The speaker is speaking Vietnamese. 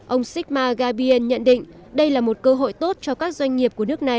ông sigmar gabriel nhận định đây là một cơ hội tốt cho các doanh nghiệp của nước này